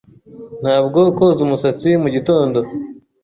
Ntabwo koza umusatsi mugitondo.